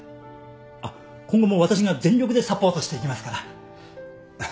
あっ今後もわたしが全力でサポートしていきますから。